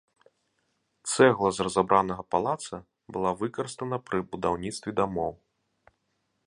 Цэгла з разабранага палаца была выкарыстана пры будаўніцтве дамоў.